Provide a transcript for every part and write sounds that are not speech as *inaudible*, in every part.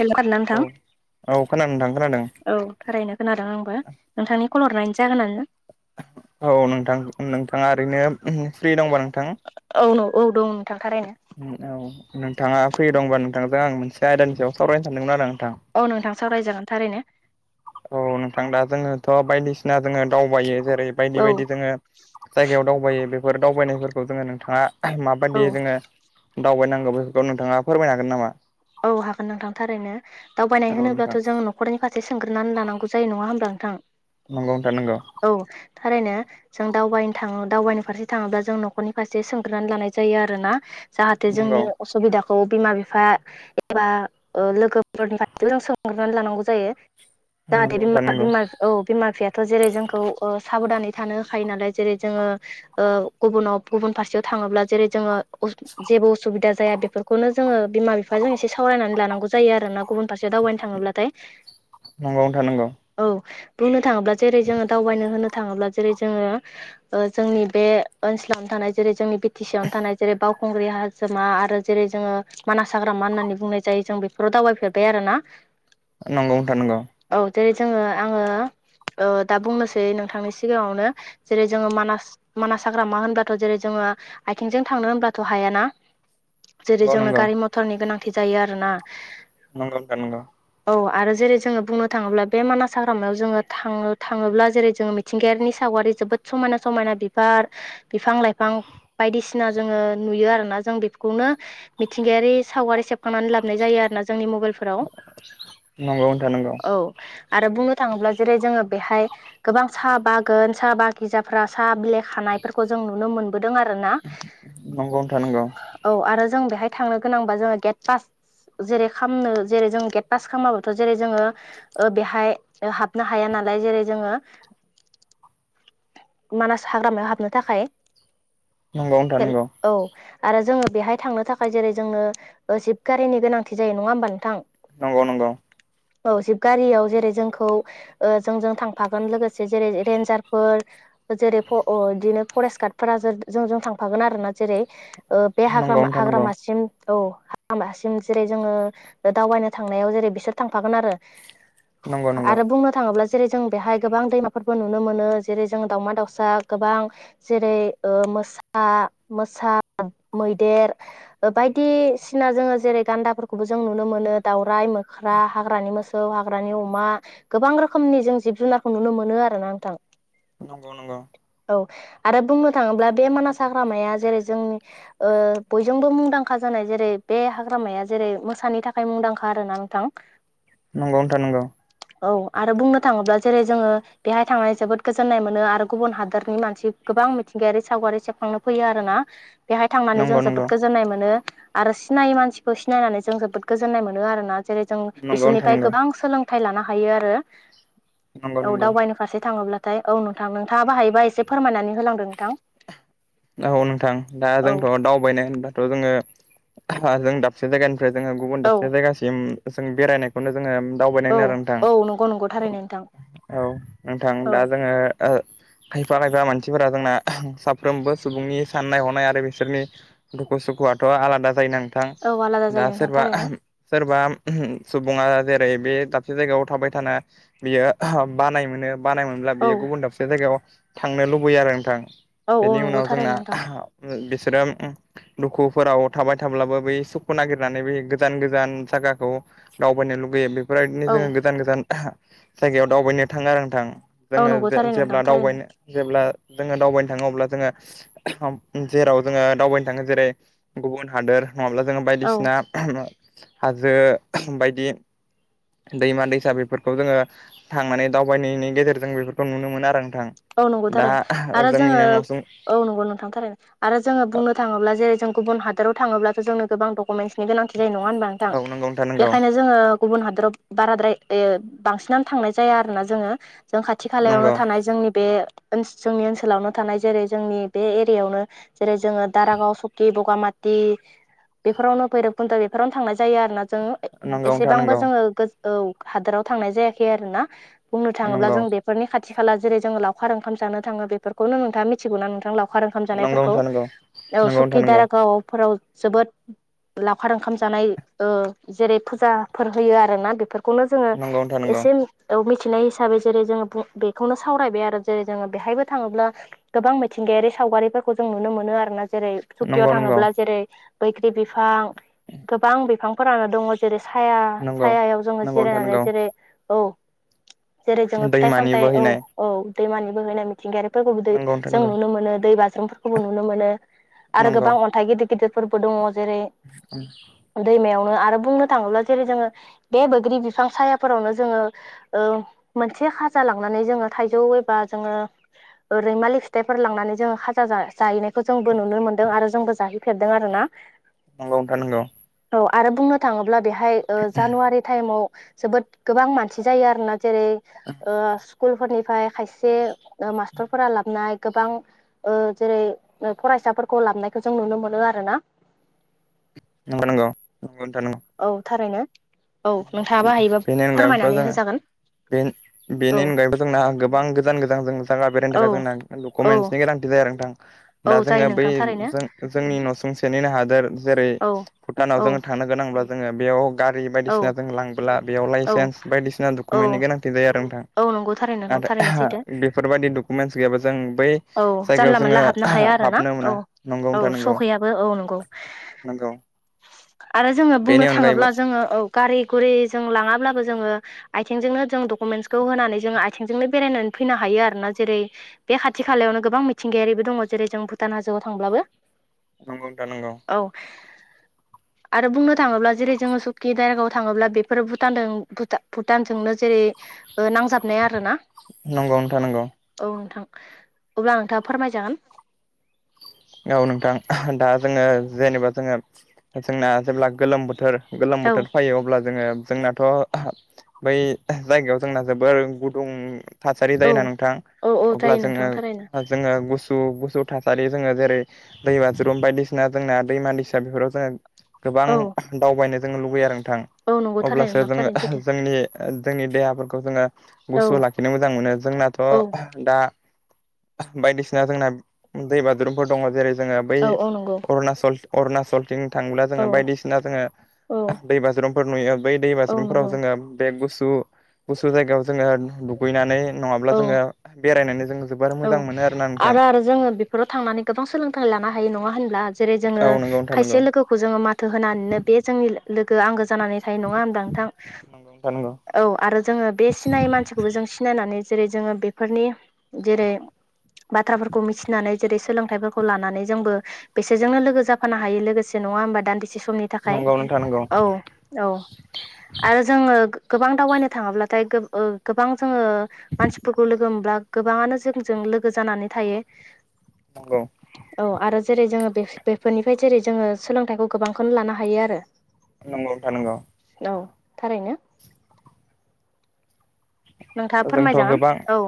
हेल' खोनादोंना औ। खोनादों नोंथां खोनादों औ थारैनो खोनादों आंबो नोंथांनि कल हरनायनि जाहोनानो औ नोंथां नोंथाङा ओरैनो फ्रि दंबा नोंथां? औ न औ दं। थारैनो औ नोंथाङा फिर दंबा नोंथांजों आं मोनसे आयदानि सायाव सावरायनो सानदोंमोन आरो। नोंथां औ नोंथां सावरायजागोन थारैनो। औ नोंथां दा जोङोथ' बायदिसिना जोङो दावबायो जेरै बायदि औ बायदि जोङो जायगायाव दावबायो बेफोर दावबायनायफोरखौ जोङो नोंथाङा औ माबायदि जोङो दावबायनांगौ बेफोरखौ नोंथाङा फोरमायनो हागोन नामा? औ हागोन नोंथां थारैनो दावबायनाय होनोब्लाथ' जों न'खरनि फारसे सोंग्रोनानै लानां बुजायो नङा होमब्ला नोंथां? नंगौ नोंथा नंगौ। औ थारैनो जों दावबायनो थाङो दावबायनो फारसे थाङोब्ला जों न'खरनि फारसे सोंग्रानै लानाय जायो आरो ना। जाहाथे जोंनि असुबिदाखौ बिमा बिफा एबा लोगोफोरनि फारसेबो जों सोंग्रनानै लानांगौ जायो‌। जाहाथे बि नोंथां नंगौ बिमा औ बिमा बिफायाथ' जेरै जोंखौ ओ साबदानै थानो होखायो नालाय जेरै जोङो गुबुनाव गुबुन फारसेयाव थाङोब्ला जेरै जोङो जेबो असुबिदा जाया बेफोरखौनो जोङो बिमा बिफाजों एसे सावरायनानै लानांगौ जायो आरोना। गुबुन फारसेयाव दावबायनो थाङोब्लाथाय। नंगौ नंगौ नोंथां नंगौ औ बुंनो थाङोब्ला जेरै जोङो दावबायनो होनो थाङोब्ला जेरै जोङो ओ जोंनि बे ओनसोलावनो थानाय जेरै जों बि टि सि आवनो थानाय जेरै बाव बावखुंग्रि हाजोमा आरो जेरै जोङो मानास हाग्रामा होननानै बुंनाय जायो जों बेफोराव दावबायफेरबाय आरो ना। नंगौ नोंथां नंगौ। औ जेरै जोङो आङो ओ दा बुंनोसै नोंथांनि सिगाङावनो जेरै जोङो मानास मानास हाग्रामा होनबाथ' जेरै जोङो बा आथिंजों थांनो होनब्लाथ' हायाना, जेरै नंगौ नोंथां जोंनो गारि मथरनि गोनांथि जायो आरो ना। नंगौ नोंथां नंगौ। औ आरो जेरै जोङो बुंनो थाङोब्ला बे मानास हाग्रामायाव जोङो थाङो थाङोब्ला जेरै जोङो मिथिंगायारिनि साव गारि जोबोद समायना समायना बिबार बिफां लाइफां बायदिसिना जोङो नुयो आरोना जों आं बेफोरखौनो मिथिंगायारि सावगारि सेबखांनानै लाबोनाय जायो आरोना जोंनि मबाइलफोराव नंगौ नोंथां नंगौ औ आरो बुंनो थाङोब्ला जेरै जोङो बेहाय गोबां साहा बागान साहा बागिसाफ्रा साहा बिलाइ खाना य जों नुनो मोनबोदों आरोना नंगौ नोंथां नंगौ औ आरो जों बेहाय थांनो गोनांबा जोङो गेट पास जेरै खालामनो जेरै जों गेट पास खालामाबथ' जेरै जोङो ओ बेहाय हाबनो हाया ना लाय जेरै जोङो *inaudible* मानास हाग्रामायाव हाबनो थाखाय नंगौ नोंथां हेल नांगौ औ आरो जोङो बेहाय थांनो थाखाय जेरै जोंनो ओ जिभ गारिनि गोनांथि जायो नङा होमबा नोंथां। नंगौ नंगौ औ जिबगारियाव जेरै जोंखौ ओ जोंजों थांफागोन लोगोसे जेरै रेन्जारफोर जेरै फ-अ-बिदिनो फरेस्ट गार्डफोरा जों जों थांफागोन आरो ना जेरै ओ बे नंगौ हाग्रामा-हाग्रामासिम औ हाबासिम जेरै जोङो दावबायनो थांनायाव जेरै बिसोर थांफागोन आरो। नंगौ नोंथां आरो बुंनो थाङोब्ला जेरै जों बेहाय गोबां दैमाफोरबो नुनो मोनो जेरै जों दाावमा दाउसा गोबां जेरै ओ मोसा मोसा मैदेर ओ बायदि बायदिसिना जोङो जेरै गान्दाफोरखौबो जों नुनो मोनो दाउराइ मोख्रा हाग्रानि मोसौ हाग्रानि अमा गोबां रोखोमनि जों जिब जुनारखौ नुनो मोनो आरोना नोंथां। नंगौ नंगौ आरो बुंनो थाङोब्ला बे मानास हाग्रामाया जेरै जोंनि ओ बयजोंबो मुंदांखा जानाय जेरै बे हाग्रामाया जेरै मोसानि थाखाय मुंदांखा आरोोना नोंथां। नोंगौ नोंथां नोंगौ औ आरो बुंनो थाङोब्ला जेरै जोङो बेहाय थांनानै जोबोद गोजोन्नाय मोनो आरो गुबुन हादोरनि मानसि गोबां मिथिंगायारि सावगारि सेबखांनो फैयो आरो ना। बेहाय थांनानै जों नंगौ नोंथां नंगौ जोबोद गोजोननाय मोनो आरो सिनायै मानसिखौ सिनायनानै जों जोबोद गोजोननाय मोनो आरोना। जेरै जों नंगौ नंगौ नोंथां बिसोरनिफ्राय गोबां सोलोंथाइ लानो हायो आरो नंगौ औ नंगौ दावबायनो फारसे थाङोब्ला थाय औ नोंथां नोंथाङा बाहायोबा एसे फोरमायनानै होलांदों नोंथां। औ नोंथां दा औ जोंथ' दावबायनाय होनबाथ' जोङो जों दाबसे जायगानि फ्राय जोङो गुबुन औ दाबसे जायगासिम जों बेरायनायखौनो जोङो औ दावबायनाय आरो नोंथां। औ नंगौ नंगौ थारैनो नोंथां औ नोंथां औ दा जोङो ओ खाय फा खायफा मानसिफोरा जोंना साफ्रोमबो सुबुंनि साननाय हनाय आरो बिसोरनि दुखु सुखुआथ' आलादा जायो नों थां औ आलादा जायो दा नोंथां सोरबा थारैनो सोरबा सुबुङा जेरै बे दाबसे जायगायाव थाबाय थाना बियो बानाय मोनो। बानाय मोनब्ला औ बियो गुबुन दाबसे जायगायाव थांनो लुबैयो आरो नोंथां। औ औ बेनि नंगौ उनाव थारैनो जोंना नोंथां बिसोरो ओम दुखुफोराव थाबाय थाब्लाबो बै सुखु नागिरनानै बे गोजान गोजान जायगाखौ दावबायनो लुगैयो बे फोरबायदिनो औ जोङो गोजान गोजान जायगायाव दावबायनो थाङो आरो नोंथां। औ जोङो नंगौ थारैनो नोंथां जे-जेब्ला थारैनो दावबायनो जेब्ला जोङो दावबायनो थाङो अब्ला जोङो जेराव जोङो दावबायनो थाङो जेरै गुबुन हादोर नङाब्ला जोङो औ बायदिसिना हाजो बायदि दैमा दैसा बेफोरखौ जोङो थांनानै दावबायनायनि गेजेरजों बेफोरखौ नुनो मोनो आरो। थां औ नंगौ दा थारैनो आरो जोङो जामनिनि न' औ नंगौ नोंथांथारनो आरो जोङो बुंनो थाङोब्ला जेरै जों गुबुन हादोराव थाङोब्लाथ' जोंनो गोबां डकुमेन्टस नि गोनांथि जायो नङा होनबा नोंथां औ नंगौ नोंथां नंगौ बेनिखायनो जोङो गुबुन हादराव बाराद्राय बांसिनानो थांनाय जाया आरो ना जोङो जों खाथि खालायावनो नंगौ थानाय जोंनि बे जोंनि ओनसोलावनो थानाय जेरै जोंनि बे एरियायावनो जेरै जोङो दारागाव सकि बगामाथि बेफोरावनो भैरबखुन्द' बेफोरावनो थांनाय जायो आरोना जो नंगौ नोंथां एसेबांबो नंगौ जोङो हादोराव थांनाय जायाखै आरो ना बुंनो थाङोब्ला नंगौ जों बेफोरनि खाथि खाला जेरै जोंङो लावखार ओंखाम जानो थाङो बेफोरखौनो नोंथाङ मिथिगौ नोंथां लाव लावखार ओंखाम नंगौ जानायफोरखौ नोंथां नंगौ नंगौ सकिदारागावफोराव जोबोद लावखार ओंखाम जानाय जेरै फुजाफोर होयो आरोना बेफोर खौनो जोङो नोंथां नंगौ एसे मिथिनाय हिसाबै जेरै जोङो बेखौनो सावरायबाय आरो जेरै जोङो बेहायबो थाङोब्ला गोबां मिथिंगायारि सावगारिफोरखौ जों नुनो मोनो आरोना जेरै सुकियाव नंगौ नोंथां नंगौ थाङोब्ला जेरै बैग्रि बिफां गोबां बिफांफोरानो दङ जेरै साया नंगौ सायाव जोङो नंगौ नोंथां जिरायनानै नंगौ जेरै औ जेरै जोङो फिथाइ दैमानि सामथायाइ औ बोहैनाय औ दैमानि बोहैनाय मिथिंगायारि दै नंगौ नोंथां जों नंगौ नुनो मोनो दै बाज्रुमफोरखौबो नुनो मोनो आरो नंगौ गोबां अन्थाइ गिदिर गिदिरफोरबो दङ जेरै दैमायाव आरो बुंनो थाङोब्ला जेरै जोङो बे बैग्रि बिफां साया फोरावनो जोङो ओ मोनसे एसे खाजा लांनानै जोङो थाइजौ एबा जोङो रैमालि फिथाइफोर लांनानै जोङो खाजा जाहैनायखौ जोंबो नुनो मोन्दों आरो जोंबो जाहैफेरदों आर ना नंगौ नोंथां नंगौ औ आरो बुंनो थाङोब्ला बेहाय जानुवारि टाइमाव जोबोद गोबां मानसि जायो आरोोना जेरै स्कुलफोरनिफ्राय खायसे मास्टारफोरा लाबनाय गोबां जेरै फरायसाफोरखौ लाबोनायखौ जों नुनो मोनो आर ना नोंगौ नोंगौ औ थारैनो औ नोंथाङाबो हायोबा बेनि अनगायैबोथ' फोरमायनानै जोङो होजागोन औ बेनि अनगायैबो जोंना गोबां गोजान गोजान जों जायगा बेरायनो औ थाखाय जोंना औ डकुमेन्टसनि गोनां नोंथां औ दा जायो जोङो बै नोंथां थारैनो जोंनि न'सुंसेनिनो हादोर जेरै औ भुटानाव औ जो थांनो गोनांब्ला जोङो बेयाव गारि बाय औ जों लांबोब्ला बेयाव औौ लाइसेन्स बायदिसिना औ दडकुमेन्टनि गोनांथि जायो आरो नोंथां औ नंगौ थारैनो नोंथां थारैनो सैथो आरो बेफोरबायदि डकुमेन्टस गैयाबा जों बै जायगायाव जोङो आरो ना हाबनो औ मोना नंगौ औ सहैयाबो औ नंगौ नोंगौ आरो जोङो बुंनो थाङोब्ला जोङो औ गारि गुरि जों लाङाब्लाबो जोङो आथिंजोंनो जों दकुमेन होनानै जोंङो आथिंजोंनो बेरायनानै फैनो हायो आरो ना जेरै बे खाथि खालायावनो गोबां मिथिंगायारिबो दङ जेरै जों भुटान हाजोआव थांब्लाबो नंगौ नोंथां नोंगौ औ *inaudible* आरो बुंनो थाङोब्ला जेरै जोङो सुक्कि दायगायाव थाङोब्ला बेफोर भुटान भुटानजोंनो जेरै नांजाबनाया आरोना नंगौ नोंथां नंगौ औ नोंथां अब्ला नोंथाङा फोरमायजागोन औ नोंथां दा जोङो जेनेबा जोङो जोंना जेब्ला गोलोम बोथोर गोलोम औ बोथोर फैयो अब्ला जोङो जोंनाथ' बै जायगायाव जोंना जोबोर गुदुं थासारि औ जायोना नोंथां औ औ अब्ला जायो नोंथां जोङो थारैनो जोङो गुसु गुसु थासारि जोङो जेरै दै बाज्रुम बायदिसिना जोंना दैमा दैसा बेफोराव जोङो गोबां औौ दावबायनो जोंनो लुबैयो आरो नोंथां औ नंगौ थारैनो अब्लासो नोंथां जोङो थारैनो सैथो जोंनि जोंनि देहाफोरखौ खौ जोङो औ गुसुआव लाखिनो मोजां मोनो जोंनाथ' औ दा बायदिसिना जोंना दै बाजुरुमफोर दङ जेरै जोङो बै औ औ नंगौ अरुणाचल अरुणाचलथिं थाङोब्ला औ जोङो बायदिसिना जोङो औ दै बाज्रुमफोर नुयो। बै दै औ बास्रुमफोराव नंगौ जोङो बे गुसु गुसु जायगायाव जोङो दुगैनानै नङाब्ला औ जोङो बेरायनानै जों जोबोर मोजां औ मोनो आरोना आरो नोंथां। आरो जोङो बेफोराव थांनानै गोबां सोलोंथाइ लानो हायो नङा होनब्ला जेरै जोङो औ नंगौ नोंथां खायसे नंगौ लोगोखौ जोङो माथो होनानैनो बे जोंनि लोगो आंगो जानानै थायो नंङा होनदा नोंथां नंगौ नोंथां नंगौ औ आरो जोंङो बे सिनायै मानसिखौबो जों सिनायनानै जेरै जोंङो बेफोरनि जेरै बाथ्राफोरखौ मिथिनानै जेरै सोलोंथाइफोरखौ लानानै जोंबो बेसोरजोंनो लोगो जाफानो हायो लोगोसेनो नङा होमबा दान्दिसे समनि थाखाय नंगौ नोंथां नंगौ औ औ आरो जोंङो गोबां दावबायनो थांङाब्लाथाय गोबां जोंङो मानसिफोरखौ लोगो मोनब्ला गोबांङानो जोंजों लोगो जानानै थायो नंगौ औ आरो जेरै जोंङो बे बेफोरनिफ्राय जेरै जोंङो सोलोंथाइखौ गोबांखौनो लानो हायो आरो। नंगौ नोंथां नंगौ। औ थारैनो। नोंथांङा जोंथ' फोरमायजागोन गोबां औ।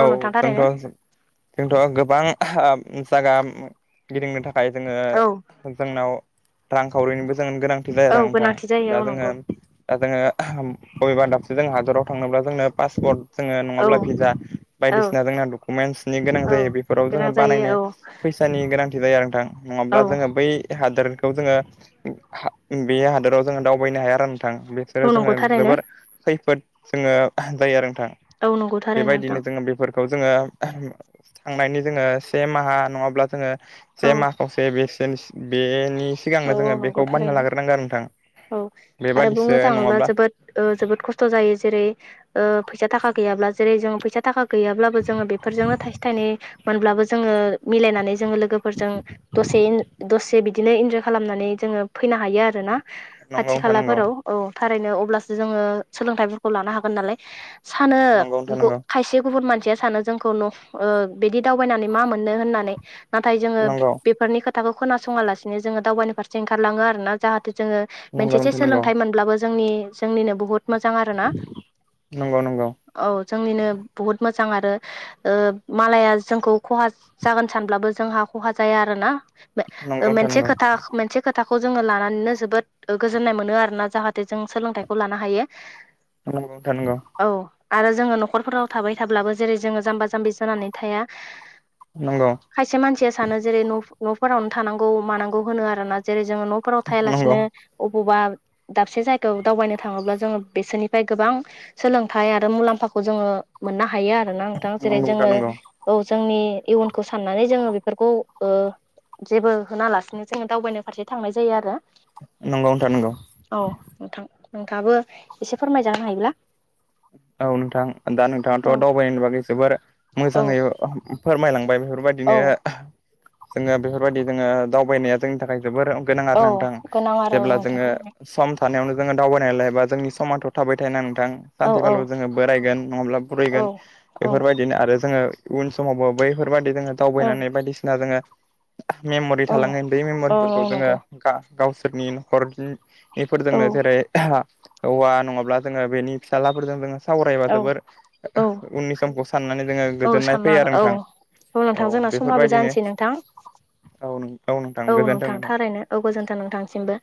औ नोंथां थारैनो जोंथ' जोंथ' गोबां ओ जागा गिदिंनो थाखाय जोंङो औ जोंनाव रांखावरिनिबो गोनांथि जायो औ आरो नोंथां गोनांथि जायो दा औ जोंङो नंगौ दा जोंङो बबेबा दाबसे जों हादराव थांनोब्ला जोंनो पासपर्ट जोंङो औ नङाब्ला भिजा औ बायदिसिना जोंना डकुमेन्टसनि गोनां औ जायो बेफोराव गोनां जोंङो जायो बानायनो औ फैसानि गोनांथि जायो नोंथां औ नंङाब्ला जोंङो बै हादोर खौ जोंङो बे हादोराव जोंङो दावबायनो हाया आरो थां बिसोरो औ नंगौ जोंङो थारैनो जोबोर खैफोद जोंङो जायो आरो थां औ नंगौ थारैनो नोंथां बेबायदिनो जोंङो बेफोर खौ जोंङो थांनायनि जोङो से माहा नंङाब्ला जोंङो से औ माखावसे बेसे बेनि औ सिगांनो औ जोंङो नंगौ बेखौ बाननो थारैनो लाग्रोनांगोन आरो नोंथां। औ आरो बुंनो बेबादिसो थांङोब्ला नङाब्ला जोबोद ओ जोबोद खस्थ' जायो जेरै ओ फैसा थाखा गैयाब्ला जेरै जों फैसा थाखा गैयाब्लाबो जोङो बेफोरजोंनो थाइसे थाइनै मोनब्लाबो जोंङो ओ मिलायनानै लोगो फोरजों दसे इन दसे बिदिनो इनजय खालामनानै जोंङो फैनो हायो आरो ना नंगौ खाथि नोंथां नंगौ खालाफोराव औ। थारायनो अब्लासो जोंङो सोलोंथाइफोरखौ लानो हागोन नालाय सानो नंगौ नोंथां ग नंगौ खायसे गुबुन मानसि खाथिया सानो जोंखौ न' बिदि दावबायनानै मा मोननो होननानै नाथाय जोंङो नंगौ बेफोरनि खौ खोनासङालासिनो जोंङो दावबाय फारसेओंखार लांङो आरोना जाहाथे जोंङो नंगौ मोनसेसो सोलोंथाइ मोनब्लाबो जोंनि जोंनिनो बुहुत मोजां आरो ना औ जोंनिनो बुहत मो मोजां आरो ओ मालाया जोंखौ खहा जागोन सानब्लाबो जोंहा खहा जाया आरो ना। नंगौ नोंथां नंगौ। मोनसे खोथाखौ जोंङो लानानैनो जोबोद गोजोन्नाय मोनो आरोना जाहाथे जों सोलोंथाइखौ लानो हायो। नंगौ नोंथां नंगौ। औ आरो जोंङो न'खरफोराव थाबाय थाब्लाबो जेरै जोंङो जाम्बा जाम्बि जानानै थाया नंगौ खायसे मानसिया सानो जेरै न'फोरावनो थानांगौ मानांगौ होनो आरो ना जेरै जोंङो न'फोराव नंगौ नोंथां थायालासिनो अबावबा दाबसे जायगायाव दावबायनो थाङोब्ला जोंङो बेसोरनिफ्राय गोबां सोलोंथाइ आरो मुलाम्फाखौ जोंङो मोननो हायो आरोना नोंथां नंगौ जेरै नोंथां जोंङो नंगौ नोंथां नंगौ औ। जोंनि इयुनखौ साननानै जोंङो बेफोरखौ ओ जेबो होनालासिनो जोंङो दावबायनो फारसे थांनाय जायो आरो। नंगौ नोंथां नंगौ नोंथांयाबो एसे फोरमायजानो हायोब्ला औ नोंथां दा औ नोंथाङाथ' दावबायनायनि बागै जोबोर औ मोजांङै फोरमायलांबाय बेफोरबायदिनो औ जोंङो बेफोरबायदि जोंङो दावबायनाया जोंनि थाखाय जोबोर गोनां औ आरो नांथां गोनां आरो जेब्ला नोंथां जोंङो थारैनो सम थानायावनो जोंङो दावबायनानै लायबा जोंनि समाजाव' थाबाय थाय ना नोंथां औ औ ज बोरायगोन नंङाब्ला औ बुरैगोन औ बेफोरबायदिनो आरो जोंङो उन समावबो बैफोर बेफोरबाददि जोंङो औ दावबायनानै बायदिसिना जोंङो मेमरि औ थाालांगोन बे औ मेमरिफोरखौ औ जोङो नंगौ गा गावसोरनि न'खरनि औ बेफोरजोंनो जेरै औवा नङाब्ला जोङो बेनि फिसाज्लाफोरजों जोङो सावरायबा औ जोबोर औ उननि समखौ साननानै जोङो औ गोजोननाय साननो फैयो हागोन आरो औ नोंथां। नोंथां औ जोंना समाबो बेफोरबायदिनो जानोसै नोंथां औ औ नोंथां गोजोनथों नोंथां। *inaudible* थारैनो औ गोजोन्थों नोंथांसिमबो